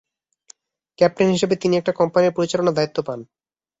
Captain হিসেবে তিনি একটা কোম্পানী পরিচালনার দায়িত্ব পান।